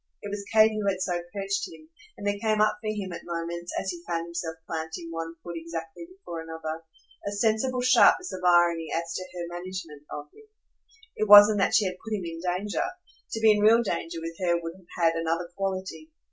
It was Kate who had so perched him, and there came up for him at moments, as he found himself planting one foot exactly before another, a sensible sharpness of irony as to her management of him. It wasn't that she had put him in danger to be in real danger with her would have had another quality.